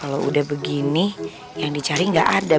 aku baru ingin berada kat zona yang teroudu mu